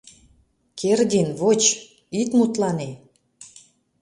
Кердин, воч, ит мутлане...